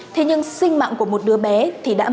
thế nhưng sinh mạng của một đứa bé thì đã mất